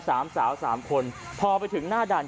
สามสาวสามคนพอไปถึงหน้าด่าน